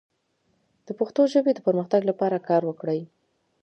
د پښتو ژبې د پرمختګ لپاره کار وکړئ.